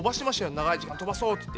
長い時間飛ばそうって言って。